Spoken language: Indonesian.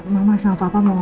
mama sama papa mau ke rumah